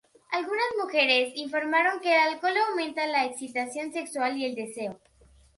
Algunas mujeres informan que el alcohol aumenta la excitación sexual y el deseo.